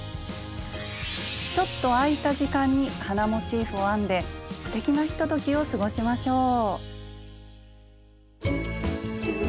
ちょっと空いた時間に花モチーフを編んですてきなひとときを過ごしましょう！